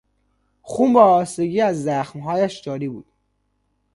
خون به آهستگی از زخمهایش جاری بود.